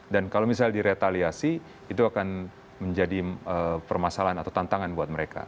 dan kalau misalnya diretaliasi itu akan menjadi permasalahan atau tantangan buat mereka